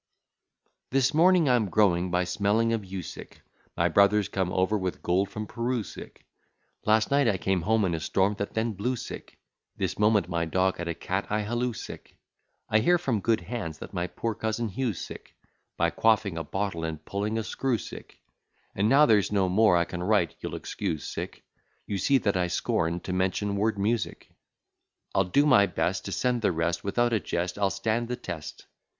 " This morning I'm growing, by smelling of yew, sick; My brother's come over with gold from Peru sick; Last night I came home in a storm that then blew sick; This moment my dog at a cat I halloo sick; I hear from good hands, that my poor cousin Hugh's sick; By quaffing a bottle, and pulling a screw sick: And now there's no more I can write (you'll excuse) sick; You see that I scorn to mention word music. I'll do my best, To send the rest; Without a jest, I'll stand the test.